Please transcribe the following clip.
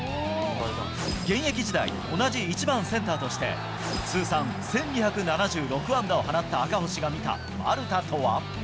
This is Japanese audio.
現役時代、同じ１番センターとして、通算１２７６安打を放った赤星が見た丸田とは。